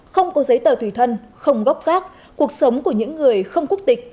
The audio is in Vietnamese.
không có giấy tờ thủy thân không góp gác cuộc sống của những người không quốc tịch